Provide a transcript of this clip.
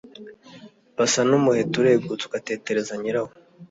basa n'umuheto uregutse ugatetereza nyirawo